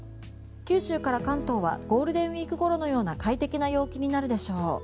九州から関東はゴールデンウィークごろのような快適な陽気になるでしょう。